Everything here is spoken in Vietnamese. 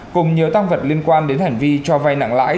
cùng nhiều tăng vật liên quan đến hành vi cho vay nặng lãi